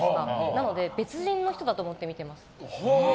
なので、別人の人だと思って見てます。